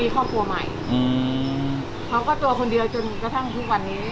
เขาก็ตัวคนเดียวจนกระทั่งชื้อนี้